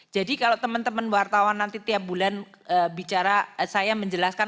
jadi kalau teman teman wartawan nanti tiap bulan bicara saya menjelaskan